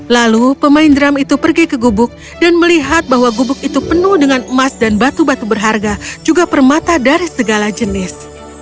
lalu pemain drum itu pergi ke gubuk dan melihat bahwa gubuk itu penuh dengan emas dan batu batu berharga juga permata dari segala jenis